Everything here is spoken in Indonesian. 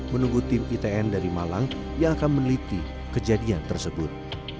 menunggu tim itn dari malang yang akan meneliti kejadian tersebut